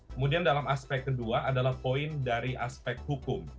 kemudian dalam aspek kedua adalah poin dari aspek hukum